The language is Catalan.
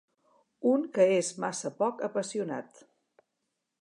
Un que és massa poc apassionat.